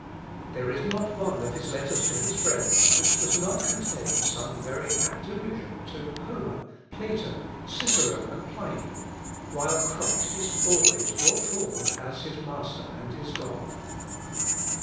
There is not one of his letters to his friends which does not contain some very apt allusion to Homer, Plato, Cicero, and Pliny, while Christ is always brought forward as his master and his God.